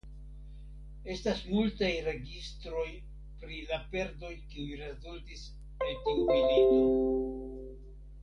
Estas multaj registroj pri la perdoj kiuj rezultis el tiu milito.